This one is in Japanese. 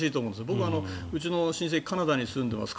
僕はうちの親戚カナダに住んでいます。